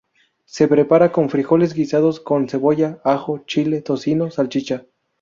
Se prepara con frijoles guisados con cebolla, ajo, chile, tocino, salchicha.